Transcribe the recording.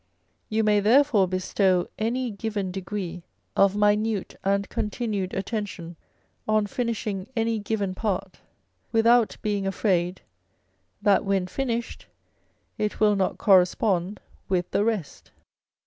You may therefore bestow any given degree of minute and continued attention on finishing any given part without being afraid that when finished it will not correspond with the rest.